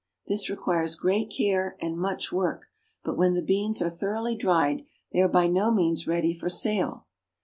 This requires great care and much work, but when the beans are thoroughly dried they are by no means ready for sale.